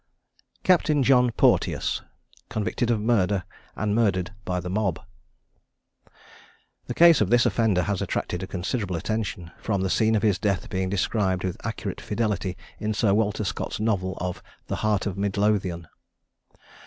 CAPTAIN JOHN PORTEOUS. CONVICTED OF MURDER, AND MURDERED BY THE MOB. The case of this offender has attracted considerable attention, from the scene of his death being described with accurate fidelity in Sir Walter Scott's novel of "The Heart of Mid Lothian."